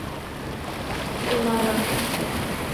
ایمارا